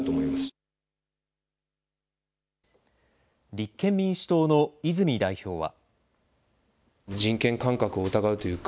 立憲民主党の泉代表は。